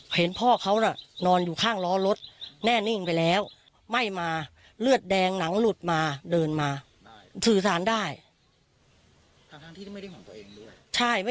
เห็นพ่อเขาน่ะนอนอยู่ข้างร้อรถแน่นิ่งไปแล้ว